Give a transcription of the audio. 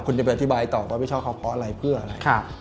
คุณจะไปอธิบายต่อว่าพี่ชอบเขาเพราะอะไรเพื่ออะไร